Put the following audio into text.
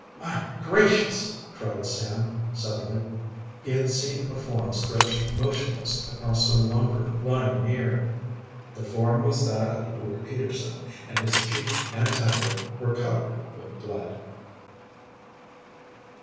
"My gracious!" cried Sam suddenly. He had seen a form stretched motionless across some lumber lying near. The form was that of Luke Peterson, and his cheek and temple were covered with blood.